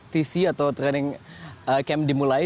tc atau training camp dimulai